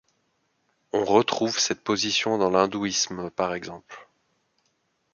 On retrouve cette position dans l'Hindouisme par exemple.